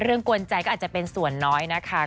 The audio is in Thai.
กวนใจก็อาจจะเป็นส่วนน้อยนะคะ